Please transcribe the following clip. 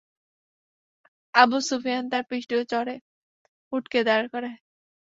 Abu Sufyan তার পৃষ্ঠে চড়ে উটকে দাঁড় করায়।